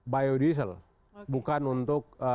biodiesel bukan untuk